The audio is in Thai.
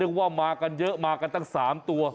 เรียกได้ว่ามากันทั้ง๓ตัว